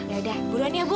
yaudah buruan ya bu